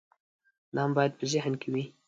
دا مو باید په ذهن کې وي.